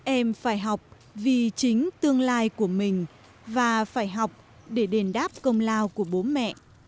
em phải học vì chính tương lai của mình và phải học để đền đáp công lao của bố mẹ